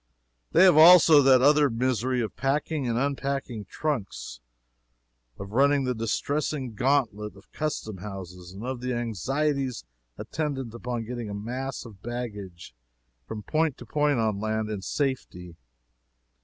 They have also that other misery of packing and unpacking trunks of running the distressing gauntlet of custom houses of the anxieties attendant upon getting a mass of baggage from point to point on land in safety.